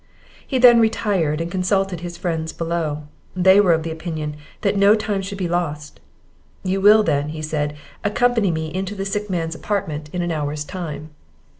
He then retired, and consulted his friends below; they were of opinion that no time should be lost. "You will then," said he, "accompany me into the sick man's apartment in an hour's time."